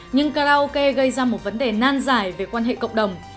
nhưng karaoke gây ra một vấn đề nan giải về quan hệ cộng đồng